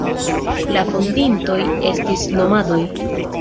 La fondintoj estis nomadoj.